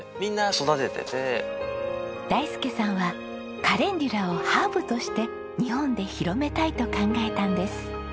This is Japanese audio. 大介さんはカレンデュラをハーブとして日本で広めたいと考えたんです。